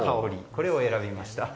これを選びました。